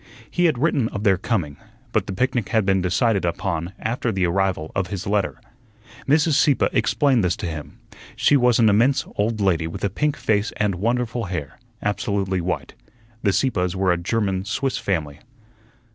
He had written of their coming, but the picnic had been decided upon after the arrival of his letter. Mrs. Sieppe explained this to him. She was an immense old lady with a pink face and wonderful hair, absolutely white. The Sieppes were a German Swiss family.